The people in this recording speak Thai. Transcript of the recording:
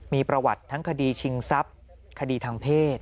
มีประวัติทั้งคดีชิงทรัพย์คดีทางเพศ